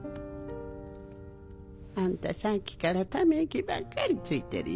あんたさっきからため息ばっかりついてるよ。